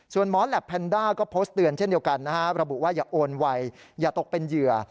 ส่วนหมอแหลปแพนด้าก็โพสต์เตือนเช่นเดียวกันนะฮะระบุว่าอย่าโอนไวอย่าตกเป็นเหยื่อ